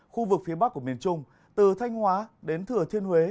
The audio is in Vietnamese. khu vực phía bắc của miền trung từ thanh hóa đến thừa thiên huế